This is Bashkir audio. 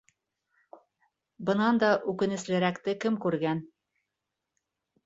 Бынан да үкенеслерәкте кем күргән?..